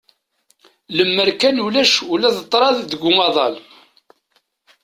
Lemmer kan ulac ula d ṭṭraḍ deg umaḍal.